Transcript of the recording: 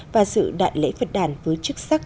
và sự đại lễ phật đàn với chức sắc